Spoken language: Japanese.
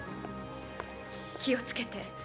気をつけて。